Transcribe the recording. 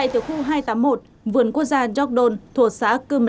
tại tỉa khu hai trăm tám mươi một vườn quốc gia jogdon thuộc xã công an